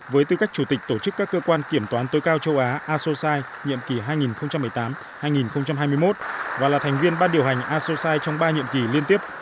với tư cách chủ tịch tổ chức các cơ quan kiểm toán tối cao châu á asosai nhiệm kỳ hai nghìn một mươi tám hai nghìn hai mươi một và là thành viên ban điều hành asosai trong ba nhiệm kỳ liên tiếp